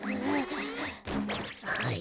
はい。